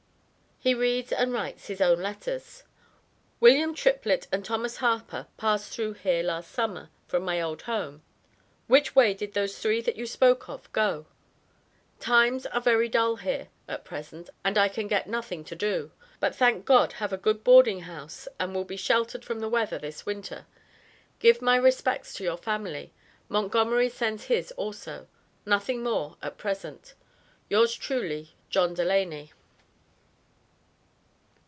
he reads and writes his own letters. William Triplet and Thomas Harper passed through hear last summer from my old home which way did those three that you spoke of go times are very dull here at present and I can get nothing to do. but thank God have a good boarding house and will be sheltered from the weather this winter give my respects to your family Montgomery sends his also Nothing more at presant Yours truly JOHN DELANEY.